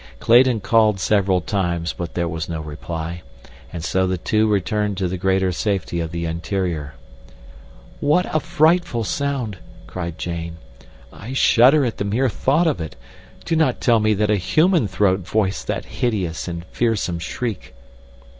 Clayton called several times, but there was no reply, and so the two returned to the greater safety of the interior. "What a frightful sound!" cried Jane, "I shudder at the mere thought of it. Do not tell me that a human throat voiced that hideous and fearsome shriek."